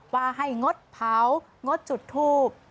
ว่าให้งดเผางดจุดทูบ